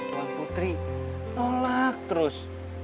wah putri nolak terus